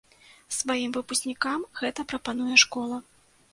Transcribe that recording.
Сваім выпускнікам гэта прапануе школа.